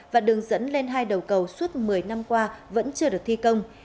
và đường dẫn lên hai đầu cầu suốt một mươi năm qua vẫn chưa được thi công